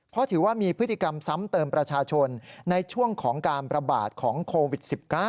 เพราะถือว่ามีพฤติกรรมซ้ำเติมประชาชนในช่วงของการประบาดของโควิด๑๙